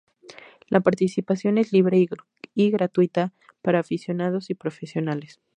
La participación es libre y gratuita para aficionados y profesionales.